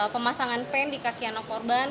pemasangan pen di kaki anak korban